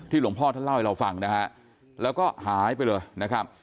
หลวงพ่อท่านเล่าให้เราฟังนะฮะแล้วก็หายไปเลยนะครับ